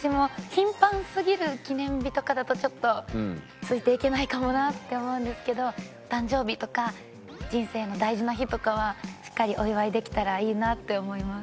頻繁すぎる記念日とかだとちょっとついていけないかもなって思うんですけど誕生日とか人生の大事な日とかはしっかりお祝いできたらいいなって思います。